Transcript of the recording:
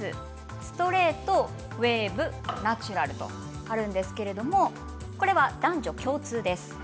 ストレート、ウエーブナチュラルあるんですけれどこれは男女共通です。